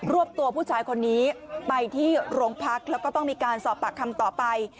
วบตัวผู้ชายคนนี้ไปที่โรงพักแล้วก็ต้องมีการสอบปากคำต่อไป